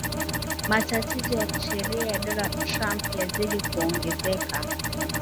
Matatizo ya kisheria ya Donald Trump yazidi kuongezeka